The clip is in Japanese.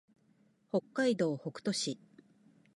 北海道北斗市